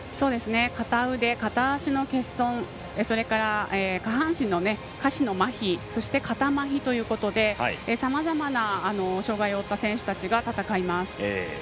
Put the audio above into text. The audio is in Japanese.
片腕、片足の欠損それから下半身の下肢のまひ、片まひということでさまざまな障がいを負った選手たちが戦います。